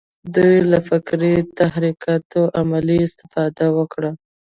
دوی له فکري تحرکاتو عملي استفاده وکړه.